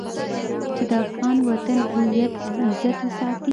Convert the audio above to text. چې د افغان وطن هويت او عزت وساتي.